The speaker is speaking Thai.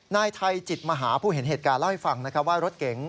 นายไทยจิตมหาผู้เห็นเหตุการณ์เล่าให้ฟังนะครับว่ารถเก๋ง